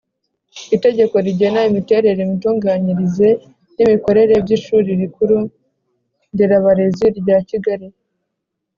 Itegeko rigena imiterere imitunganyirize n imikorere by ishuri rikuru nderabarezi rya kigali